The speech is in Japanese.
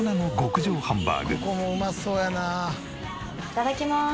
いただきます。